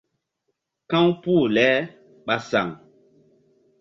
Ka̧w puh le ɓa saŋ.